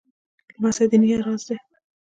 لمسی د نیا راز دی.